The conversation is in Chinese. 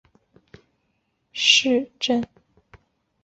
格里梅尔斯豪森是德国图林根州的一个市镇。